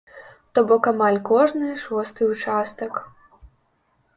То бок амаль кожны шосты участак.